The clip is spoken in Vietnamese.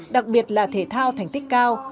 đặc biệt là thể thao thành tích cao